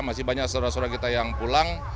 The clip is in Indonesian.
masih banyak saudara saudara kita yang pulang